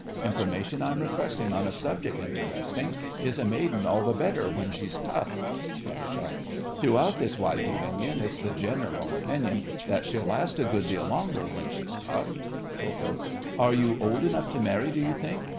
Information I'm requesting On a subject interesting: Is a maiden all the better when she's tough? KAT. Throughout this wide dominion It's the general opinion That she'll last a good deal longer when she's tough. KO. Are you old enough to marry, do you think?